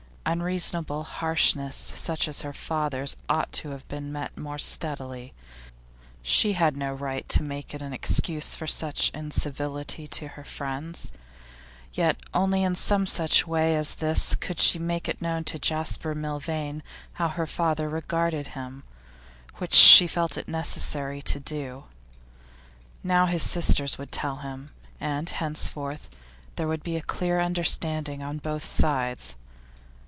Unreasonable harshness such as her father's ought to have been met more steadily; she had no right to make it an excuse for such incivility to her friends. Yet only in some such way as this could she make known to Jasper Milvain how her father regarded him, which she felt it necessary to do. Now his sisters would tell him, and henceforth there would be a clear understanding on both sides.